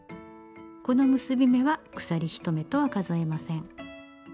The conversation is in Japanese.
この結び目は鎖１目とは数えません。